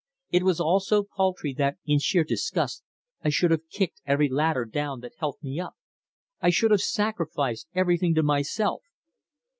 It was all so paltry that, in sheer disgust, I should have kicked every ladder down that helped me up. I should have sacrificed everything to myself."